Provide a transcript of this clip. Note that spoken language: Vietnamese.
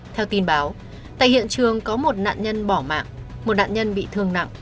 theo tin báo tại hiện trường có một nạn nhân bỏ mạng một nạn nhân bị thương nặng